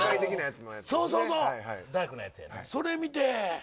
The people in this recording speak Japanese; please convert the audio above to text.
それ見て。